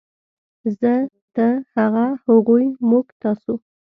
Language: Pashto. زۀ ، تۀ ، هغه ، هغوی ، موږ ، تاسو